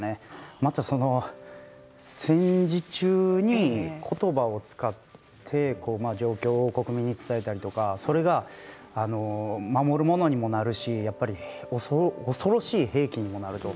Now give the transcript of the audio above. また、その戦時中に言葉を使って状況を国民に伝えたりとかそれが守るものにもなるし恐ろしい兵器にもなると。